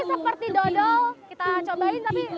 seperti gula merah dan terigu